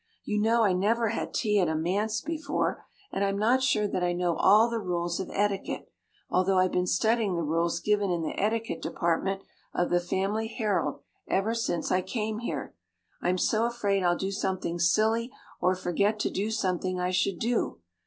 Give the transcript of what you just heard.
You know I never had tea at a manse before, and I'm not sure that I know all the rules of etiquette, although I've been studying the rules given in the Etiquette Department of the Family Herald ever since I came here. I'm so afraid I'll do something silly or forget to do something I should do.